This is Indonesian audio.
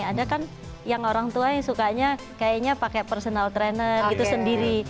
ada kan yang orang tua yang sukanya kayaknya pakai personal trainer gitu sendiri